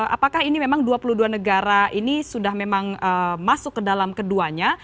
apakah ini memang dua puluh dua negara ini sudah memang masuk ke dalam keduanya